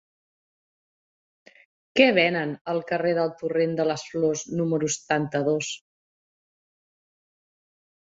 Què venen al carrer del Torrent de les Flors número setanta-dos?